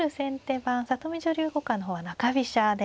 番里見女流五冠の方は中飛車で。